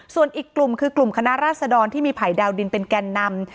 ส่วนอีกกลุ่มคือกลุ่มคณะราษดรที่มีภัยดาวดินเป็นแก่นำ